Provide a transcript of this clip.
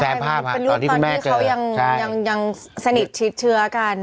ตอนที่ผู้แม่เจอใช่อย่างยังยังสนิทชีวิตเชื้อกัน